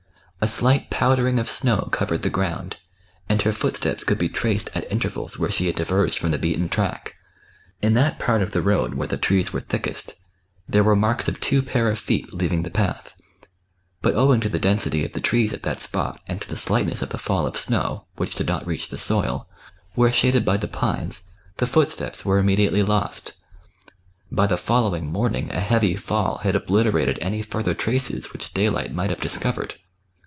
A slight powdering of snow covered the ground, and her footsteps could be traced at intervals where she had diverged from the beaten track. In that part oi the road where the trees were thickest, there were marks of two pair of feet leaving the path; but owing to the density of the trees at that spot and to the slightness of the fall of snow, which did not reach the soil, where shaded by the pines, the footprints were immediately 246 THE BOOK OF WEBE WOLVES. lost. By the following morning a heavy fall had obli terated any further traces which day light might have discovered.